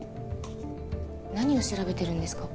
何を調べてるんですか？